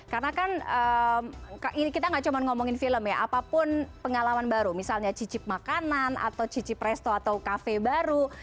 karena kan kita tidak cuma ngomongin film ya apapun pengalaman baru misalnya cicip makanan atau cicip resto atau cafe baru